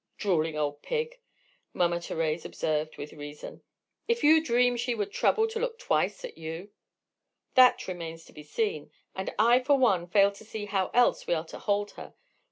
"Drooling old pig," Mama Thérèse observed with reason: "if you dream she would trouble to look twice at you—!" "That remains to be seen. And I, for one, fail to see how else we are to hold her.